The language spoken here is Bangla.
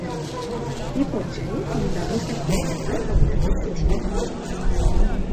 এ পর্যায়ে তিনি দ্বাদশ ব্যক্তির ভূমিকায় অবতীর্ণ হয়েছিলেন।